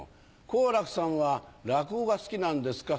好楽さんは落語が好きなんですか？